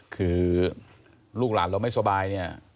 คือลูกหลานเราไม่สบายเนี่ย